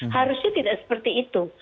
harusnya tidak seperti itu